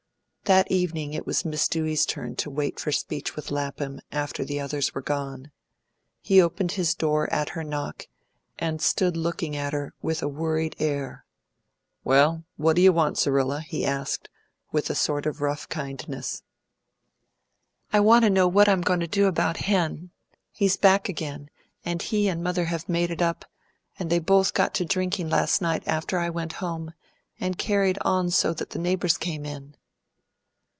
That evening it was Miss Dewey's turn to wait for speech with Lapham after the others were gone. He opened his door at her knock, and stood looking at her with a worried air. "Well, what do you want, Zerrilla?" he asked, with a sort of rough kindness. "I want to know what I'm going to do about Hen. He's back again; and he and mother have made it up, and they both got to drinking last night after I went home, and carried on so that the neighbours came in."